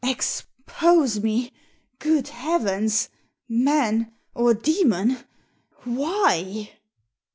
"Expose me! Good heavens I man or demon — why?"